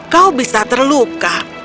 kau bisa terluka